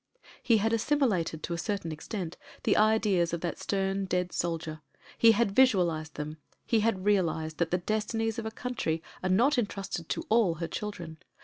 He had assimilated to a certain extent the ideas of that stem, dead soldier; he had visualised them; he had realised that the destinies of a country are not entmsted to all her children.